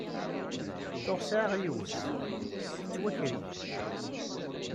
Tuɣ sɛiɣ yiwet, tettwaker-iyi.